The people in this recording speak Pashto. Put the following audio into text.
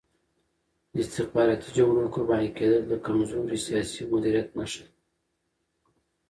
د استخباراتي جګړو قرباني کېدل د کمزوري سیاسي مدیریت نښه ده.